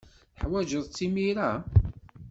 Teḥwajed-tt imir-a?